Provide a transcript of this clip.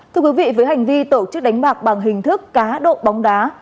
thưa quý vị với hành vi tổ chức đánh bạc bằng hình thức cá độ bóng đá